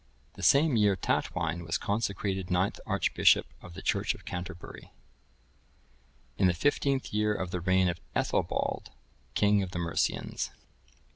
_] The same year Tatwine was consecrated ninth archbishop of the church of Canterbury, in the fifteenth year of the reign of Ethelbald, king of the Mercians.